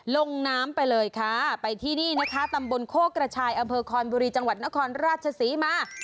ลงน้ำไปเลยค่ะไปที่นี่นะคะตำบลโคกระชายอำเภอคอนบุรีจังหวัดนครราชศรีมา